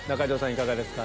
いかがですか？